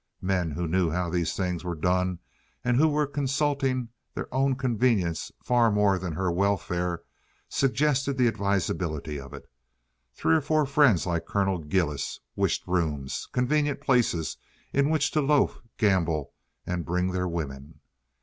Men who knew how these things were done, and who were consulting their own convenience far more than her welfare, suggested the advisability of it. Three or four friends like Colonel Gillis wished rooms—convenient place in which to loaf, gamble, and bring their women.